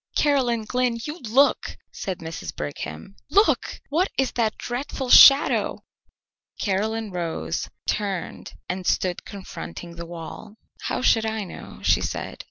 "Caroline Glynn, you look!" said Mrs. Brigham. "Look! What is that dreadful shadow?" Caroline rose, turned, and stood confronting the wall. "How should I know?" she said.